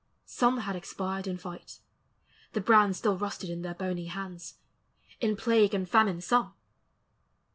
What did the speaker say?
Some had expired in fight, — the brands Still rusted in (heir bony hands, In plague and famine some!